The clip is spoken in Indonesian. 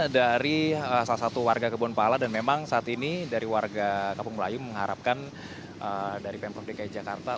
dari salah satu warga kebon pala dan memang saat ini dari warga kampung melayu mengharapkan dari pemprov dki jakarta